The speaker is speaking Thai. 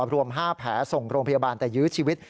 รวม๕แผลส่งโรงพยาบาลแต่ยื้อชีวิต